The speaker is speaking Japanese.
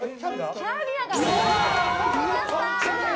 キャビアがのりました！